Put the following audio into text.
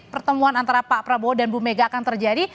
pertemuan antara pak prabowo dan bu mega akan terjadi